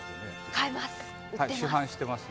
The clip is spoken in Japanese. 買えます。